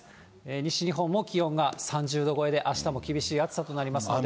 西日本も気温が３０度超えで、あしたも厳しい暑さとなりますので。